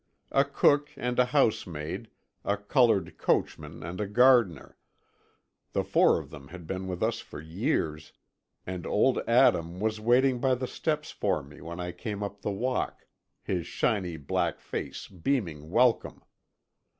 A cook and a house maid, a colored coachman and a gardener—the four of them had been with us for years, and old Adam was waiting by the steps for me when I came up the walk, his shiny black face beaming welcome.